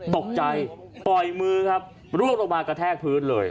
ตกใจปล่อยมือครับร่วงลงมากระแทกพื้นเลย